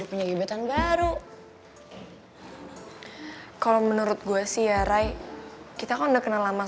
ya mungkin mereka takut kita khawatir kak risin